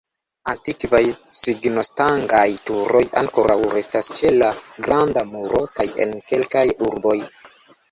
Antikvaj signostangaj turoj ankoraŭ restas ĉe la Granda Muro kaj en kelkaj urboj.